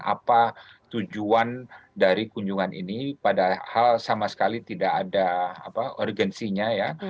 apa tujuan dari kunjungan ini padahal sama sekali tidak ada urgensinya ya